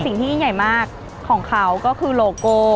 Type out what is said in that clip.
ยิ่งใหญ่มากของเขาก็คือโลโก้